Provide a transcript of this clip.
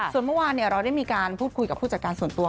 ส่วนเมื่อวานเราได้มีการพูดคุยกับผู้จัดการส่วนตัว